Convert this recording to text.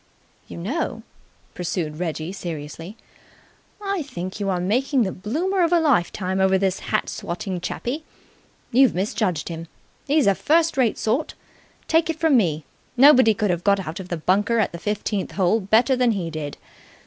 "You know," pursued Reggie seriously, "I think you are making the bloomer of a lifetime over this hat swatting chappie. You've misjudged him. He's a first rate sort. Take it from me! Nobody could have got out of the bunker at the fifteenth hole better than he did.